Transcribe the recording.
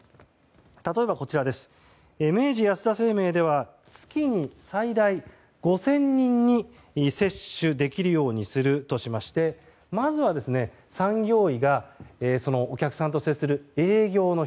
例えば明治安田生命では月に最大５０００人に接種できるようにするとしましてまずは産業医がお客さんと接する営業の人